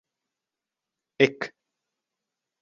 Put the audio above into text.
Ek!